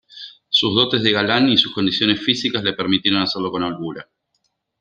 Sus dotes de galán y sus condiciones físicas le permitieron hacerlo con holgura.